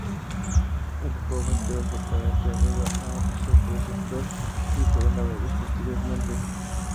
El joven quedó fuertemente unido a su preceptor y fueron amigos posteriormente.